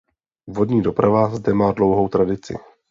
Vodní doprava zde má dlouhou tradici.